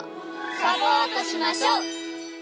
サポートしましょ！